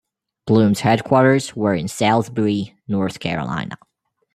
Bloom's headquarters were in Salisbury, North Carolina.